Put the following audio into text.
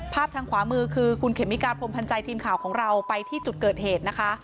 ทางขวามือคือคุณเขมิกาพรมพันธ์ใจทีมข่าวของเราไปที่จุดเกิดเหตุนะคะ